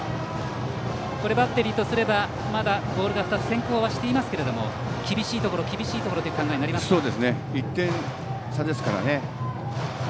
バッテリーとすればまだボールは２つ先行していますが厳しいところ、厳しいところとの考えになりますか。